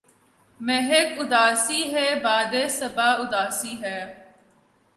مہک اُداسی ہے، باد ِ صبا اُداسی ہے